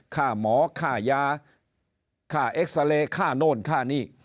ค่าหมอค่ายาค่าเอ็กซาเรย์ค่าโน่นค่านี่